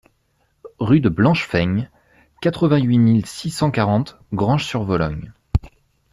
Rue de Blanchefeigne, quatre-vingt-huit mille six cent quarante Granges-sur-Vologne